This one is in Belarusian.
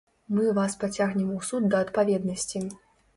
Мы вас пацягнем у суд да адпаведнасці.